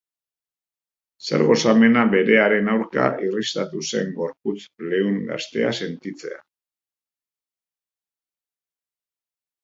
Zer gozamena berearen aurka irristatu zen gorputz leun gaztea sentitzea!